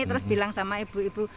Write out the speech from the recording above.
terus bilang sama ibu ibu